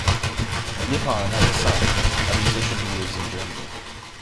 Lipan has a son, a musician who lives in Germany.